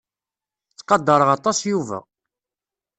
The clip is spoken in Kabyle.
Ttqadareɣ aṭas Yuba.